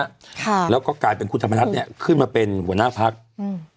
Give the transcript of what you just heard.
ค่ะแล้วก็กลายเป็นคุณธรรมนัฐเนี้ยขึ้นมาเป็นหัวหน้าพักอืม